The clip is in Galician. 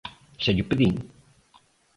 Xa llo pedín.